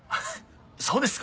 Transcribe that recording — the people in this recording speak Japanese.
そうですか？